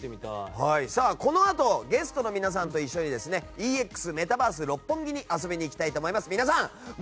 このあとゲストの皆さんと一緒にＥＸメタバース六本木に遊びに行きたいと思います。